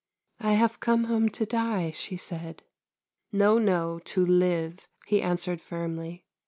" I have come home to die," she said. " No, no, to live," he answered firmly.